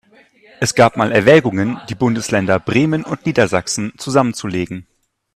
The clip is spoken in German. Es gab mal Erwägungen, die Bundesländer Bremen und Niedersachsen zusammenzulegen.